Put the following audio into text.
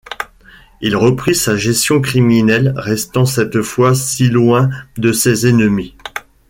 Il reprit sa gestion criminelle, restant cette fois-ci loin de ses ennemis.